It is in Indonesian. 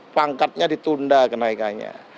pangkatnya ditunda kenaikannya